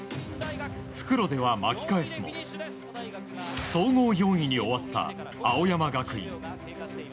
復路では巻き返すも総合４位に終わった青山学院。